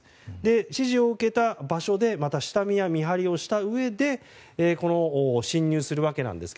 指示を受けた場所でまた下見や見張りをしたうえで侵入するわけですが。